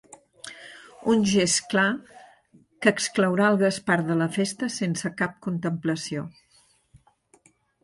Un gest clar que exclourà el Gaspar de la festa sense cap contemplació.